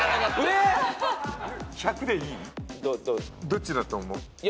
どっちだと思う？